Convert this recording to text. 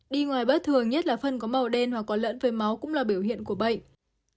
đi ngoài bất thường nhất là phân có màu đen hoặc có lẫn với máu cũng là biểu hiện của bệnh